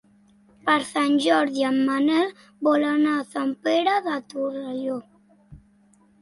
Per Sant Jordi en Manel vol anar a Sant Pere de Torelló.